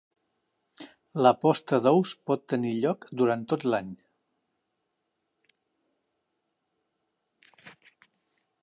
La posta d'ous pot tenir lloc durant tot l'any.